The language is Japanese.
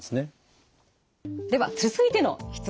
では続いての質問